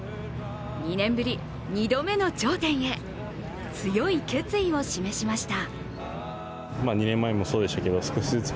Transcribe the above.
２年ぶり２度目の頂点へ強い決意を示しました。